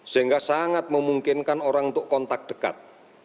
sehingga sangat memungkinkan orang untuk kontak dekat